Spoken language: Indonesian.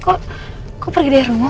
kok pergi dari rumah